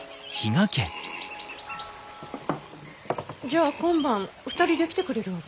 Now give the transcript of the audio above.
じゃあ今晩２人で来てくれるわけ？